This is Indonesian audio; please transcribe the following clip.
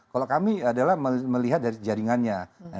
kalau kami adalah melihat dari jaringannya